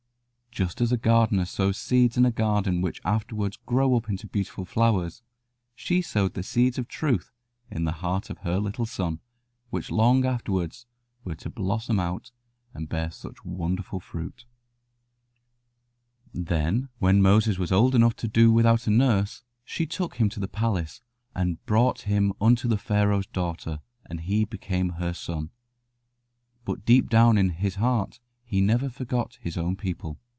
Just as a gardener sows seeds in a garden which afterwards grow up into beautiful flowers, so she sowed the seeds of truth in the heart of her little son, which long afterwards were to blossom out and bear such wonderful fruit. [Illustration: Beating him unmercifully with a long whip.] Then when Moses was old enough to do without a nurse, she took him to the palace, and "brought him unto Pharaoh's daughter, and he became her son." But deep down in his heart he never forgot his own people.